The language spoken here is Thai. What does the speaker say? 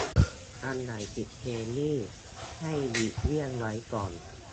อันไหนติดเทรนด์นี่ให้หลีกเลี่ยงไว้ก่อน